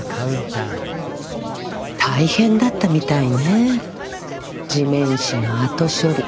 大変だったみたいね地面師の後処理。